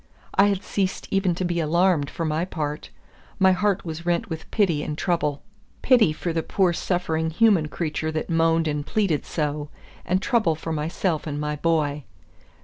I had ceased even to be alarmed, for my part. My heart was rent with pity and trouble, pity for the poor suffering human creature that moaned and pleaded so, and trouble for myself and my boy.